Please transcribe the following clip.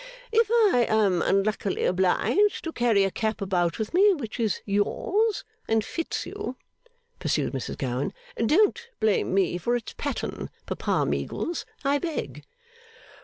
'If I am unluckily obliged to carry a cap about with me, which is yours and fits you,' pursued Mrs Gowan, 'don't blame me for its pattern, Papa Meagles, I beg!